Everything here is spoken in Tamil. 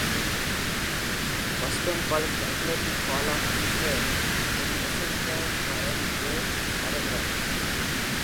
Boston College Athletic Hall of Fame இன் Eisenhauer பயின்று வருகிறார்.